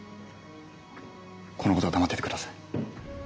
このことは黙っててください。